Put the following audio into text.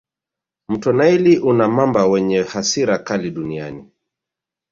Mto naili una mamba wenye hasira kali duniani